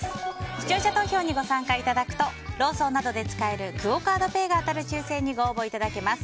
視聴者投票にご参加いただくとローソンなどで使えるクオ・カードペイが当たる抽選にご応募いただけます。